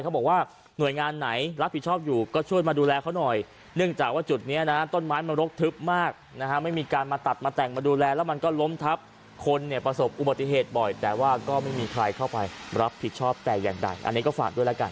ก็บอกว่าหน่วยงานไหนรับผิดชอบอยู่ก็ช่วยมาดูแลเขาหน่อยเนื่องจากว่า